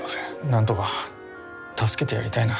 何とか助けてやりたいな。